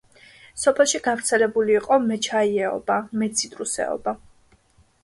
სოფელში გავრცელებული იყო მეჩაიეობა, მეციტრუსეობა.